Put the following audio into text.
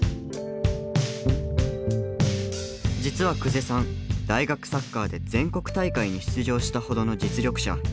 実は久世さん大学サッカーで全国大会に出場したほどの実力者。